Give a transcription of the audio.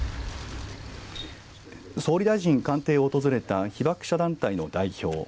総理大臣官邸を訪れた被爆者団体の代表。